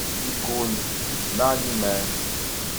Yeggul, jmaɛ liman